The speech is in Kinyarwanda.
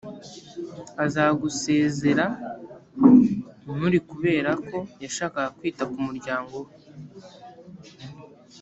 aza gusezera muri kubera ko yashakaga kwita ku muryango we